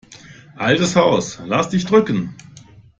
Altes Haus, lass dich drücken!